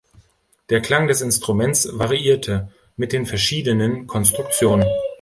Der Klang des Instruments variierte mit den verschiedenen Konstruktionen.